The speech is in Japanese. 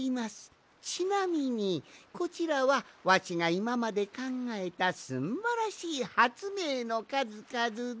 ちなみにこちらはわしがいままでかんがえたすんばらしいはつめいのかずかずで。